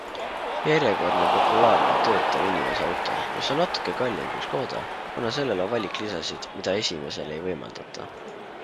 Järjekordne populaarne, töötava inimese auto, mis on natuke kallim kui Škoda, kuna sellel on valik lisasid, mida esimesele ei võimaldata.